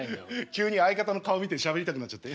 急に相方の顔見てしゃべりたくなっちゃって。